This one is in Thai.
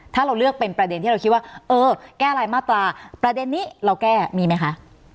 ถ้าเราเลือกเป็นประเด็นที่เราคิดว่าเออแก้รายมาตราประเด็นนี้เราแก้มีไหมคะ